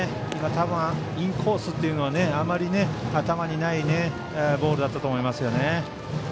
多分インコースというのは頭にないボールだったと思いますよね。